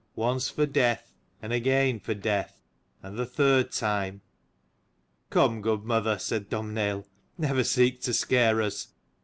Once for death : and again for death : and the third time." "Come, good mother," said Domhnaill, "never seek to scare us.